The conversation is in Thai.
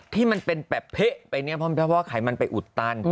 ที่มันเป็นแบบเละไปเนี่ยเพราะว่าไขมันไปอุดตัน